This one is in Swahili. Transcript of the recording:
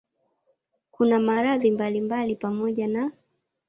Kuna maradhi mbalimbali pamoja na